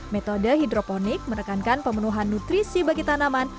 metode hidroponik menekankan pemenuhan nutrisi bagi tanaman